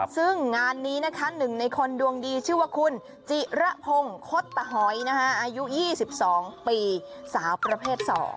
ซึ่งงานนี้นะคะหนึ่งในคนดวงดีชื่อว่าคุณจิระพงศ์คดตะหอยอายุ๒๒ปีสาวประเภท๒